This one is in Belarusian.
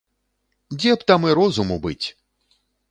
Дзе б там і розуму быць?!